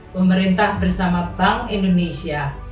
pemerintah bersama bank indonesia